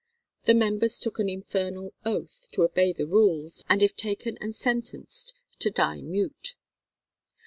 The members took an "infernal oath" to obey the rules, and if taken and sentenced to "die mute."